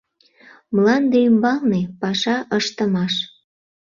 МЛАНДЕ ӰМБАЛНЕ ПАША ЫШТЫМАШ